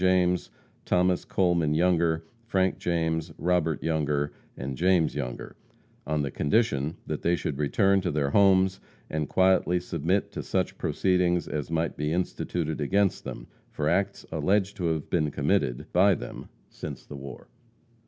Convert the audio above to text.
James, Thomas Coleman Younger, Frank James, Robert Younger and James Younger, on the condition that they should return to their homes and quietly submit to such proceedings as might be instituted against them for acts alleged to have been committed by them since the war.